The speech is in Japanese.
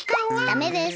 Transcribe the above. ダメです。